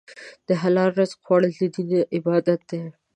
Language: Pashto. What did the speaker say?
د حلال رزق خوړل د دین عبادت دی.